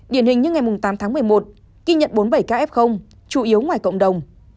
điển hình như ngày tám tháng một mươi một khi nhận bốn mươi bảy kf chủ yếu ngoài cộng đồng